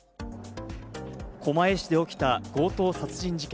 狛江市で起きた強盗殺人事件。